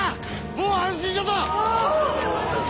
もう安心じゃぞ！